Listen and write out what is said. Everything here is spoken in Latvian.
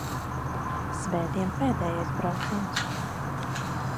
Svētdien pēdējais brauciens.